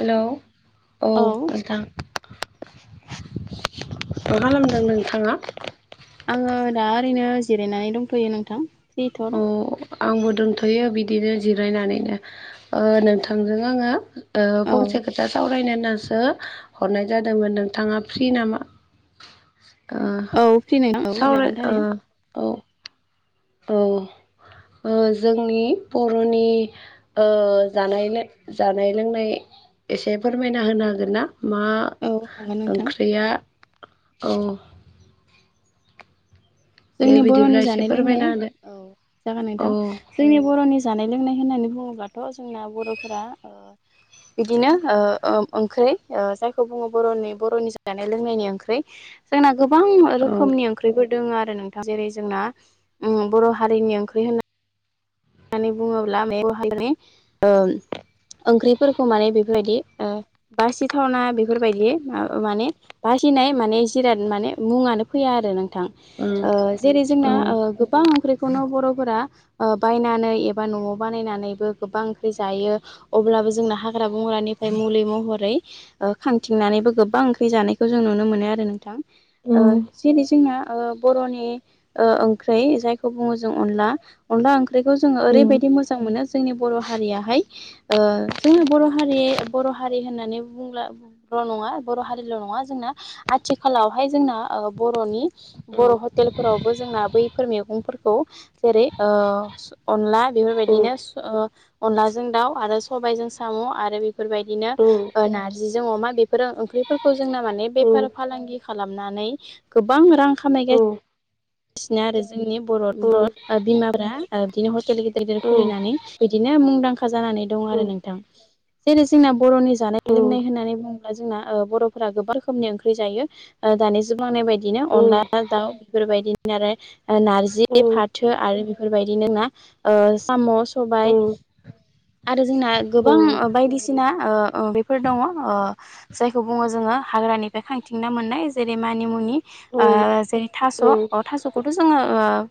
हेल औ औ नोंथां। मा खालामदों नोंथाङा आङो दा ओरैनो जिरायनानै दंथयो नोंथां औ जिथदा आंबो दोनथयो बिदिनो जिरायनानैनो नोंथांजों आङो। फंसे खोथा सावरायनो नाज सो हरनाय जादोंमोन नोंथाङा फ्रि नामा? ओ औ फ्रि नोंथां औ सावराय लागोन थारैनो औ औ। ओ जोंनि बरनि जानाय जानाय लोंनाय। एसे फोरमायना होनो हागोन ना मा औ हागोन नोंथां ओंख्रिया औ दे जोंनि बिदिब्ला बरनि एसे जानाय लोंनाय फोरमायना औ जागोन नोंथां होदो जोंनि बर'नि जानाय। लोंनाय होननानै बुङोबाथ जोंना बरफोरा। बिदिनो ओंख्रि जायखौ बुङो बर'नि बर'नि जानाय लोंनायनि ओंख्रि जोंना। गोबां औ औ रोखोमनि ओंख्रिफोर दङ आरो नोंथां जेरै जोंना बर हारिनि ओंख्रि होननाय होननानै बुङोब्ला मावहाय ओंख्रिफोरखौ माने बेफोरबायदि बासिथावना बेफोरबायदि माने बासि फिनाय माने जिराद माने मुङानो फैया आरो नों जेरै जोंना गोबां ओंख्रिखौनो बर'फोरा बायनानै एबा नआव बानायनानैबो गोबां ओंख्रि जायो अब्लाबो जोंना हाग्रा बंग्रानिफ्राय म मुलि महरै खांथिंनानैबो गोबां ओंख्रि जानायखौ जों नुनो मोनो आरो नोंथां। जेरै जोंना बरनि ओंख्रै जायखौ बुङो जों अनला अनला ओं जोङो ओरैबायदि मोजां मोनो जोंनि बर' हारियाहाय जोंना बर हारि बर हारि होननानै बुंब्ला नङा बर हारिल नङा जोंना आथिखालावहाय जोंना बर'नि बर हटेलफोरावबो जोंना बैफोर मैगंफोरखौ जेरै अनला बेफोरबायदिनो अनलाजों दाउ आरो सबायजों साम' आरो बे बेफोरबायदिनो नारजिजों अमा बेफोर ओंख्रिफोरखौ जोंना माने बेफार फालांगि खालामनानै गोबां रां खामायगासिगासिनो आरो जोंनि बर' बिमाफ्रा बिदिनो हटेल गेदिर गिदिर खुलिनानै बिदिनो मुंदांखा जानानै दं आरो नोंथां। जेरै जोंना बर'नि जानाय लोंनाय होननानै बुंङोब्ला जोंना बर'फोरा गोबां रोखोमनि ओंख्रि जायो। दानि जोब लांनाय बायदिनो अनला दाउ बेफोर बायदि आरो नारजि फाथो आरो बेफोरबायदि नोंना साम' सबाय आरो जोंना गोबां बायदिसिना बेफोर दङ जायखौ बुङो जों आङो हाग्रानिफ्राय खांथिंना मोननाय जेरै मानि मुनि जेरै थास' अ थास'खौथ' जोङो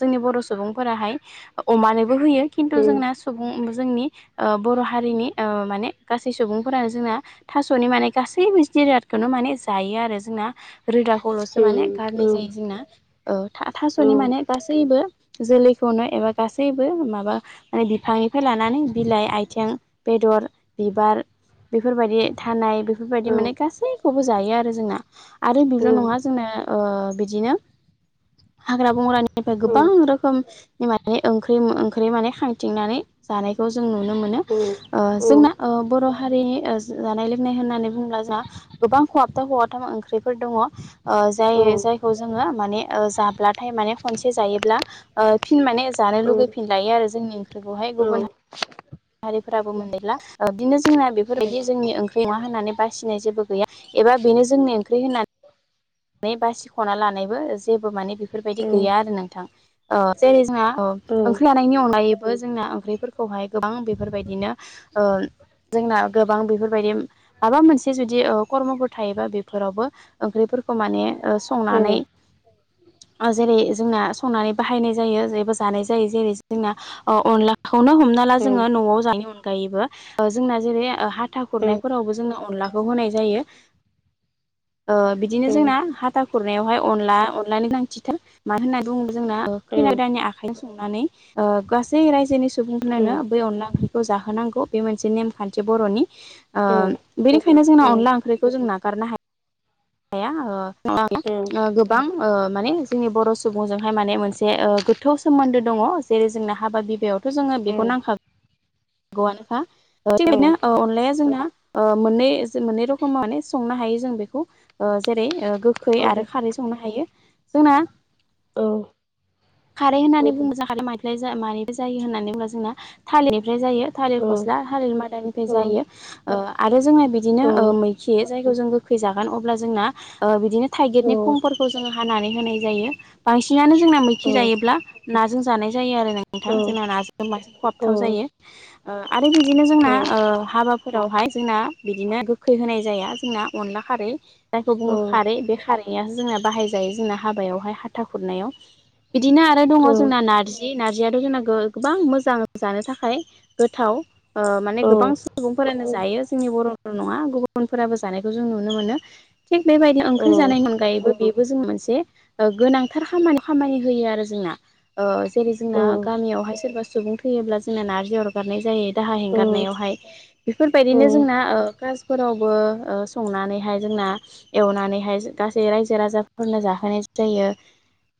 जोंनि बर' सुबुंफोराहाय अमानोबो होयो खिन्थु जोंना सुबुं जोंनि बर' हारिनि माने गासै सुबुंफोरानो जोंना थास'नि माने गासै बि रादखौनो माने जायो आरो जोंना रोदाखौल'सो माने गारनाय जायो जोंना। थास'नि माने गासैबो जोलैखौनो एबा गासैबो माबा बिफां ननिफ्राय लानानै बिलाइ आथिं बेदर बिबार बेफोरबायदि थानाय बेफोरबायदि माने गासैखौबो जायो आरो जोंना आरो बेल' नङा जोंना बिदिनो [inaudible] हाग्रा बंग्रानिफ्राय गोबां रोखोमनि माने ओं ओंख्रि माने खांथिंनानै जानाय जों नुनो मोनो जोंना बर' हारिनि जानाय लोंनाय होननानै बुंङोब्ला जोंहा गोबां खहाबथा हहाथाम ओंख्रिफोर दंङो जाय जायखौ जोंङो माने जाब्लाथाय माने खनसे जायोब्ला फिन माने जानो लुगैफिन लायो आरो जोंनि ओंख्रिखौहाय गुबुन हाहारिफोराबो मोनदैला बिदिनो जोंना बेफोरबायदि जोंनि ओंख्रि नंङा होननानै बासिनाय जेबो गैया। एबा बेनो जोंनो ओंख्रि होननानै मेबा सिख'ना लानायबो जेबो माने बेफोरबायदि गैया आरो नोंथां जेरै जोंहा ओंख्रि लानायनि अनगायैबो जोंना ओंख्रिफोरखौहाय गोबां बेफोरबायदिनो ओ जोंना गोबां बेफोरबायदि माबा मोनसे जुदि ओ कर्मफोर थायोबा बेफोरावबो ओंख्रि खौ माने ओ संनानै [inaudible] जेरै जोंना संनानै बाहायनाय जायो जेबो जानाय जायो जेरै जोंना अनलाखौनो हमनो हमना ला जोङो न'आव जानायनि अनगायैबो जोंना जेरै हाथा खुरनायफोरावबो जोङो अनलाखौ होनाय जायो। जायो [inaudible] ओ बिदिनो जोंना हाथा खुरनायावहाय अनला अनलानो गोनांथिथार मा होनना बुङो जोंना खैनागोदाननि आखाइजों संनानै गासै ओरायजोनि सुबुंफोरनानो बै अनला ओंख्रि जाहो नांगौ बे मोनसे नेम खान्थि बर'नि औ बेनिखायनो जोंना अनला ओंख्रिखौ जों नागार [unintelligible] हाया ओगोबां माने जोंनि बर' सुबुंजोंहाय माने मोनसे ओ गोथौ सोमोन्दो दंङो जेरै जोंना हाबा बिबायावथ' जोंङो बेखौ नांखागोन गौआनोखा थिग बिदिनो ओ अनलाया जोंना ओ मोननै मोननै रोखम माने संनो हायो जों बेखौ ओ जेरै ओ गोखै आरो खारै संनो हायो जोंना खारै होननानै बुङोबा जों [unintelligible] मानि जायो होननानै बुंङोब्ला जोंना थालिर जायो थालिर फ़स्ला ओ थालिर मादानिफ्राय जायो आरो जोंहा बिदिनो ओ मैखि जायखौ जों गोखै जागोन अब्ला जोंना बिदिनो औ थाइगिरनि खंफोरखौ जोङो हानानै होनाय जायो बांसिनानो जोंना मैखि जायोब्ला नाजों जानाय जायो आरो नोंथां जोंना नाजों नाजों खहाबथाव जायो ओ आरो बिदिनो जोंना ओ हाबा फोरावहाय जोंना बिदिनो गोखै होनाय जाया जोंना अनला खारै जायखौ बुंङो खारै बे खारैया जोंना बाहायजायो जोंना हाबायावहाय हाथा खुरनायाव बिदिनो आरो दंङो जोंना नारजि नार्जियाथ' जोंना गोबां मोजां जानो थाखाय गोथाव औ माने गोबां सुबुंफोरानो जायो जोंनि बर'ल नंङा गुबुनफोराबो जानायखौ जों नुनो मोनो थिग बेबायदिनो ओंख्रि जानायनि अनगायैबो बेबो जों मोनसे गोनांथार खामा खामानि होयो आरो जोंना ओ जेरै जों गामियावहाय सोरबा सुबुं थैयोब्ला जोंना नारजि अरगारनाय जायो दाहा हेंरनायहाय बेफोरबायदिनो जोंना कासफोरावबो ओ संनानैहाय जोंना एवनानैहाय गासै रायजो राजाफोरनो जाहोनाय जायो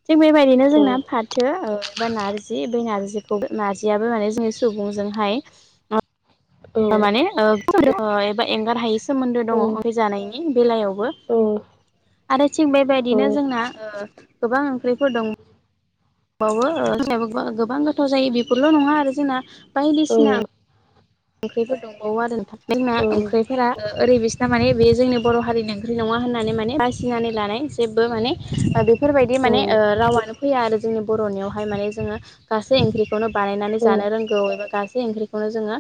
थिग बेबायदिनो जोंना फाथो एबा नार्जि बै नारजिखौ नारजियाबो माने जों-' सुबुंजोंहाय माने ओ [unintelligible] एबा एंगार हायै सोमोन्दो दङ बेखौ जानायनि बेलायावबो आरो थिग बेबायदिनो जोंना ओ गोबां ओंख्रिफोर दं बावो जों बो गोबां गोथाव जायो बेफोरल' नङा आरो जोंना बायदिसिना ओंख्रिफोर दंबावो आरो नोंथां जोंना ओंख्रिफोरा ओरै बिसना माने बे जोंनि बर' हारिनि ओंख्रि नङा होननानै माने बासिनानै लानाय जेबो माने बेफोरबायदि ओ माने रावानो फैया आरो जोंनि बर'नियावहाय माने जोङो गासै ओंख्रि खौनो बानायनानै जानो रोंगौ एबा गासै ओंख्रिखौनो जोङो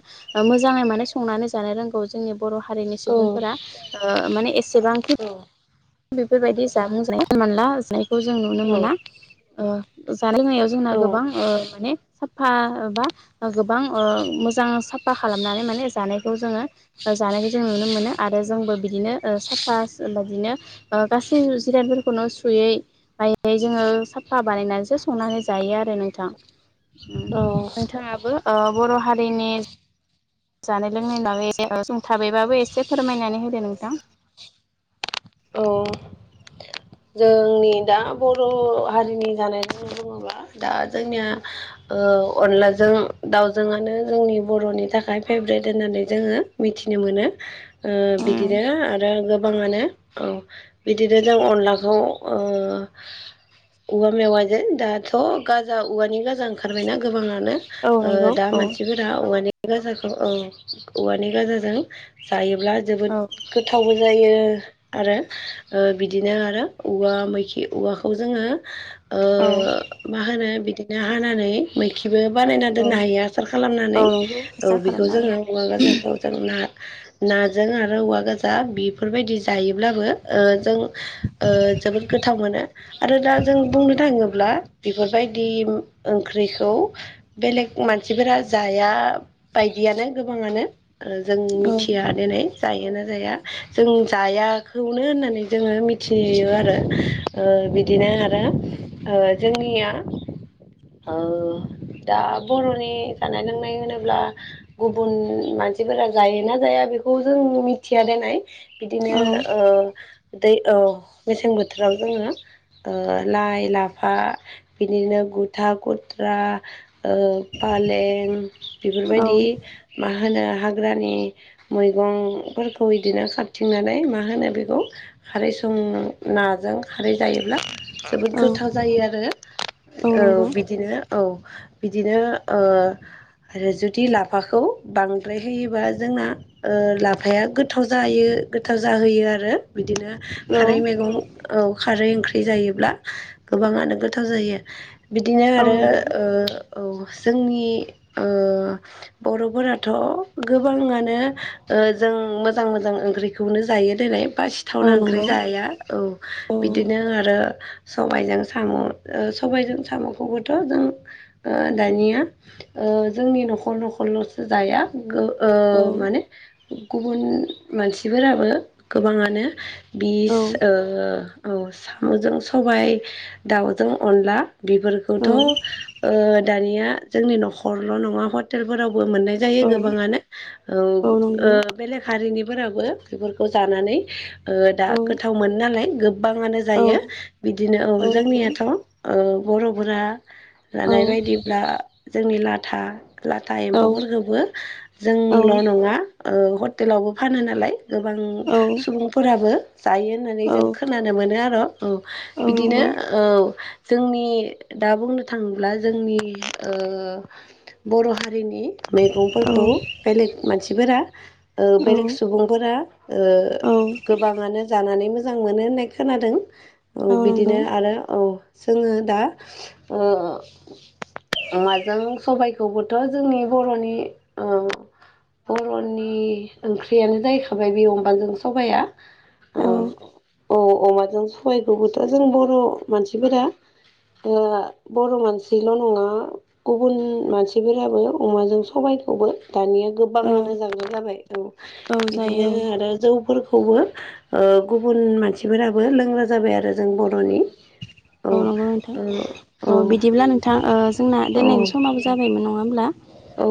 मोजाङै माने संनानै जानो रोंगौ जोंनि बर' हारिनि सुबुंफोरा ओ माने एसेबांखि बेफोरबायदि जामुंजानायखौ जों नुनो मोनला जानायखौ जों नुनो मोना जानाय लोंनायाव जोंना गोबां ओ माने साफा बा गोबां ओ मोजां साफा खालामनानै माने जानायखौ जोङो जानायखौ जों नुनो मोनो आरो जोंबो बिदिनो ओ साफा बिदिनो ओ गासै जिरादफोरखौनो सुयै बायै जोङो साफा बानायनानैसो संनानै जायो आरो आरो नोंथां नोंथाङाबो ओ बर' हारिनि जानाय लोंनायाय ए सुंथाबैबाबो एसे फोरमायनानै होदो नोंथां [inaudible] जोंनि दा बर' हारिनि जानायफोर दङोबा दा जोंनिया ओ अनलाजों दाउजोंआनो जोंनि बर'नि थाखाय फेभ्रेट होननानै जोङो मिथिनो मोनो ओ उम बिदिनो आरो गोबाङानो औ बिदिनो जों अनला ओ औवा मेवाजों दाथ' गाजा औवानि गाजा ओंखारबायना गोबां गोबाङानो औ ओ नंगौ दा औ मानसिफोरा औ औवानि गोजाजों जायो अब्ला जोबोद औ गोथावबो जायो आरो बिदिनो आरो औवा मैखि औवाखौ जोङो औ मा होनो बिदि ना हानानै मैखि बो बानायना औ दोननो हायो आसार औ खालामनानै नंगौ आसा औ बेखौ खालामना जोङो औवा गाजाखौ जों ना नाजों आरो औवा गोजा बेफोरबायदि जायोब्लाबो जों जोबोद गोथाव मोनो आरो दा जों बुंनो थाङोब्ला बेफोरबायदि ओंख्रि खौ बेलेग मानसिफोरा जाया बायदियानो गोबाङानो आरो जों औ मिथिया दिनै जायो ना जाया जों जायाखौनो होननानै जोङो मिथि थियो आरो बिदिनो आरो जोंनिया औ दा बर'नि जानाय लोंनाय होनोब्ला गुबुन मानसिफोरा जायोना जाया बेखौ जों मिथिया दोननाय बिदिनो औ दै औ मेसें बोथोराव जोङो लाइ लाफा बिदिनो बुथुवा खुथ्रा फालें बेफोरबायदि औ मा होनो हाग्रानि मैगंफोरखौ बिदिनो खारथिंनानै मा होनो बेखौ खारै सं नाजों खारै जायोब्ला जोबोद औ गोथाव जायो आरो औ बिदिनो औ बिदिनो आरो जुदि लाफाखौ बांद्राय होयोबा जोंना लाफाया गोथाव जायो गोथाव जाहोयो आरो बिदिनो औ खारै मैगं औ खारै ओंख्रि जायोब्ला गोबाङानो गोथाव जायो बिदिनो औ आरो नंगौ ओ औ जोंनि ओ बर'फोराथ' गोबाङानो ओ जो जों मोजां मोजां ओंख्रिखौनो जायो दिनै औ बासिथावना ओंख्रि नंगौ जाया औ औ बिदिनो आरो सबायजों साम' सबायजों साम'खौबोथ' जों ओ दानिया ओ जोंनि न'खर न'खरल'सो जाया गो ओ औ माने गुबुन मानसिफोराबो गोबाङानो बिस औ ओ औ साम'जों सबाय दाउजों अनला बेफोरखौथ' ओ दानिया जोंनि न'खरल' नङा हटेलफोराव बो मोननाय जायो औ गोबाङानो औ ओ बेलेग हारिनिबो फोराबो बेफोरखौ जानानै ओ दा औ गोथाव मोनो नालाय गो गबाङानो औ नंगौ औ जायो बिदिनो औ जोंनियाथ' ओ बर'फोरा लानाय बायदिब्ला जोंनि लाथा लाथा एम्फौफोरखौबो औ जोंल' नङा ओ हटेलावबो फानो नालाय गोबां सुबुंफोराबो जायो होननानै जों खोनानो मोनो आरो' औ नंगौ औ बिदिनो नंगौ औ जोंनि दा बुंनो थाङोब्ला जोंनि ओ बर' हारि हारिनि औ मैगंफोरखौ बेलेग मानसिफोरा ओ औ बेलेग सुबुंफोरा ओ औ गोबाङानो जानानै मोजां मोनो होननाय खोनादों औ बिदिनो आरो औ जोङो दा ओ अमाजों सबायखौबोथ' जोंनि बर'नि ओ बर'नि ओंख्रियानो जाहैखाबाय बे अमाजों सबाया अ औ अमाजों सबायखौबोथ' जों बर' मानसिफोरा बर' मानसिल' नङा गुबुन मानसिफोराबो अमाजों सबाय दानिया गोबाङानो जाग्रा जाबाय औ बिदिनो जायो आरो जौ खौबो ओ गुबुन मानसिफोराबो लोंग्रा जाबाय आरो जों बर'नि औ नंगौ नोंथां औ औ बिदिब्ला नोंथां ओ जोंना औ दोननायनि समाबो जाबायमोन नङा होमब्ला औ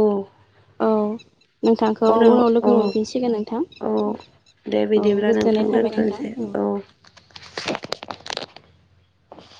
औ नोंथांखौ उनाव लोगो मोनफिनसिगोन नोंथां औ दे औ बिदिब्ला नोंथां गोजोननाय थाबाय नोंथां दोनथ'सै औ [inaudible]